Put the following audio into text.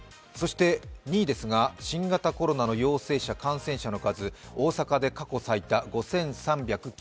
そして２位ですが、新型コロナの陽性者、感染者の数、大阪で過去最多５３９６人。